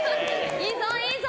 いいぞいいぞ！